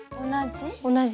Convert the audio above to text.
同じ？